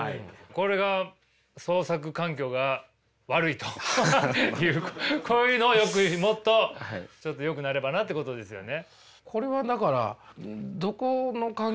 これが創作環境が悪いというこういうのをもっとちょっとよくなればなってことですよね。